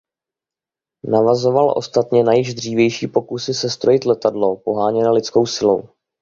Navazoval ostatně na již dřívější pokusy sestrojit letadlo poháněné lidskou silou.